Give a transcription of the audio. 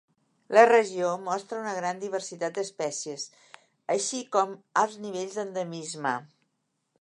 La regió mostra una gran diversitat d'espècies, així com alts nivells d'endemisme.